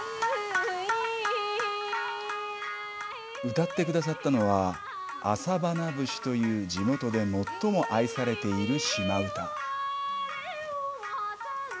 歌ってくださったのは「朝花節」という地元で最も愛されているシマ唄。